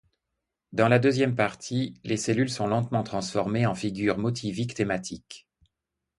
Dans la deuxième partie, les cellules sont lentement transformées en figures motiviques thématiques.